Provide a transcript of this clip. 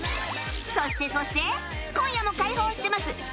そしてそして今夜も開放してます